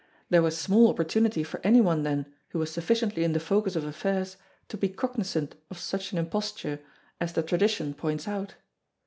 There was small opportunity for any one then who was sufficiently in the focus of affairs to be cognisant of such an imposture as the tradition points out.